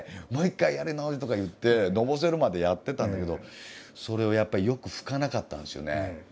「もう一回やるの！」とか言ってのぼせるまでやってたんだけどそれをやっぱりよく拭かなかったんですよね。